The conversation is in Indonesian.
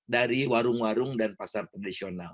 dari warung warung dan pasar tradisional